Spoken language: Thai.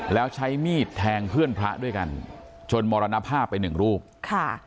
แล้วใช้มีดแทงเพื่อนพระด้วยกันจนมรณภาพไปหนึ่งรูปค่ะ